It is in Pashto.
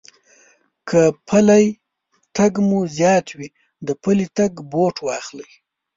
که پٔلی تگ مو زيات وي، د پلي تگ بوټ واخلئ.